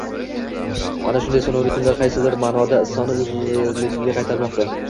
Mana shunday sinovli kunlar qaysidir maʼnoda insonni oʻzligiga qaytarmoqda.